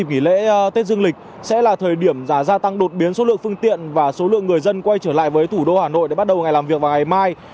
nghỉ lễ tết dương lịch sẽ là thời điểm giá gia tăng đột biến số lượng phương tiện và số lượng người dân quay trở lại với thủ đô hà nội để bắt đầu ngày làm việc vào ngày mai